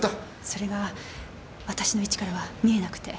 それが私の位置からは見えなくて。